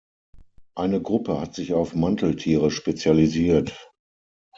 Eine Gruppe hat sich auf Manteltiere spezialisiert.